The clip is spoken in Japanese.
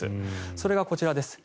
それがこちらです。